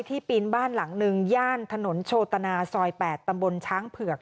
ปีนบ้านหลังหนึ่งย่านถนนโชตนาซอย๘ตำบลช้างเผือก